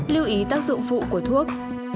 lưu ý tác dụng phụ của thuốc